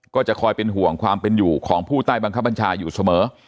ก็จะคอยเป็นห่วงความเป็นอยู่ของผู้ใต้บังคับบัญชาอยู่เสมอ